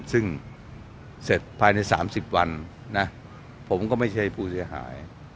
ซึ่งเสร็จภายใน๓๐วันนะผมก็ไม่ใช่ผู้เสียหาย